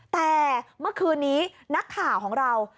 แต่เมื่อคืนนี้นักข่าวของเรา